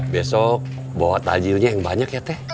besok bawa tajilnya yang banyak ya teh